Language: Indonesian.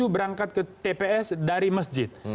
berangkat ke tps dari masjid